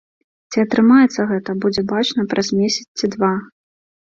Ці атрымаецца гэта, будзе бачна праз месяц ці два.